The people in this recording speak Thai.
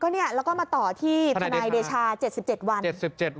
แล้วก็มาต่อที่ทนายเดชา๗๗วัน